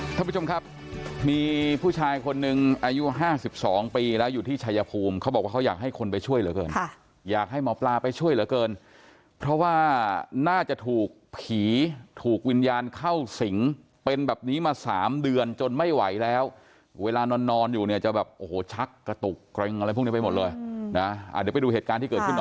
ท่านผู้ชมครับมีผู้ชายคนหนึ่งอายุห้าสิบสองปีแล้วอยู่ที่ชายภูมิเขาบอกว่าเขาอยากให้คนไปช่วยเหลือเกินค่ะอยากให้หมอปลาไปช่วยเหลือเกินเพราะว่าน่าจะถูกผีถูกวิญญาณเข้าสิงเป็นแบบนี้มาสามเดือนจนไม่ไหวแล้วเวลานอนอยู่เนี่ยจะแบบโอ้โหชักกระตุกเกร็งอะไรพวกนี้ไปหมดเลยนะเดี๋ยวไปดูเหตุการณ์ที่เกิดขึ้นหน่อย